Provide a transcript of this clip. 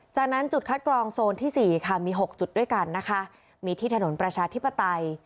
จากนั้นจุดคัดกรองโซนที่สี่ค่ะมี๖จุดด้วยกันนะคะมีที่ถนนประชาธิปไตย